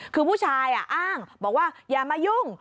คือผู้ชายอ้างบอกว่าอย่ามายุ่ง